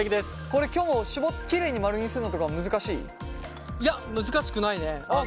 これきょもきれいに丸にするのとか難しい？いや難しくないね。